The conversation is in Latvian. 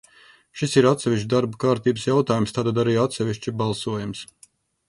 Šis ir atsevišķs darba kārtības jautājums, tātad arī atsevišķi balsojams.